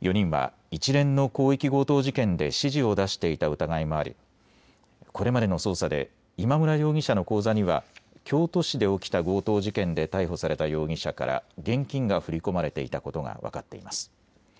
４人は一連の広域強盗事件で指示を出していた疑いもありこれまでの捜査で今村容疑者の口座には京都市で起きた強盗事件で逮捕された容疑者から現金が振り込まれていたことが分かっています。